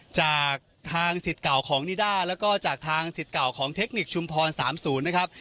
จากทางสิทธิ์เก่าของนิด้าแล้วก็จากทางสิทธิ์เก่าของเทคนิคชุมพร๓๐นะครับ